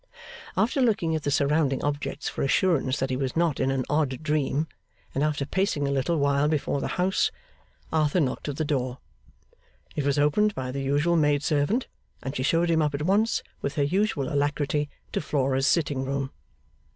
After looking at the surrounding objects for assurance that he was not in an odd dream, and after pacing a little while before the house, Arthur knocked at the door. It was opened by the usual maid servant, and she showed him up at once, with her usual alacrity, to Flora's sitting room.